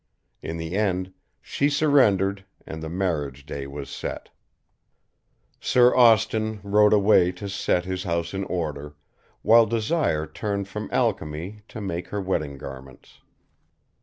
In the end she surrendered and the marriage day was set. Sir Austin rode away to set his house in order, while Desire turned from alchemy to make her wedding garments.